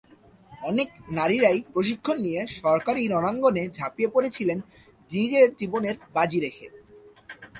অনেক নারীরাই প্রশিক্ষণ নিয়ে সরাসরি রণাঙ্গনে ঝাপিয়ে পড়েছিলেন নিজের জীবন বাজি রেখে।